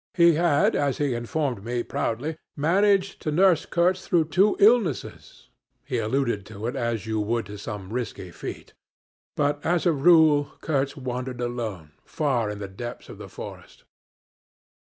He had, as he informed me proudly, managed to nurse Kurtz through two illnesses (he alluded to it as you would to some risky feat), but as a rule Kurtz wandered alone, far in the depths of the forest.